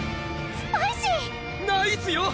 スパイシー！ナイスよ！